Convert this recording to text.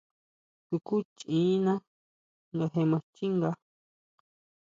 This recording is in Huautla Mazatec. Sukúchiʼína nga je maa xchínga.